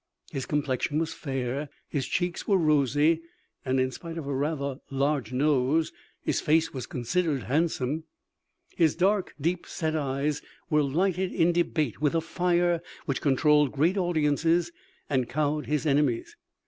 His complexion was fair, his cheeks were rosy, and in spite of a rather large nose his face was considered handsome. His dark, deep set eyes were lighted in debate with a fire which controlled great audiences and cowed his enemies.